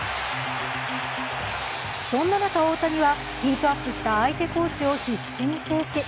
そんな中、大谷はヒートアップした相手コーチを必死に制止。